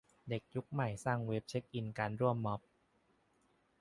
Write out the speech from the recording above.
เด็กรุ่นใหม่สร้างเว็บไซต์เช็คอินการร่วมม็อบ